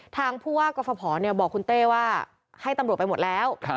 ทางผู้ว่ากรฟภบอกคุณเต้ว่าให้ตำรวจไปหมดแล้ว